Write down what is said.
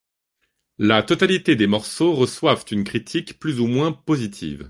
La totalité des morceaux reçoivent une critique plus ou moins positive.